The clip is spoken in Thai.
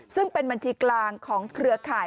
ซึ่งเป็นบัญชีกลางของเครือข่าย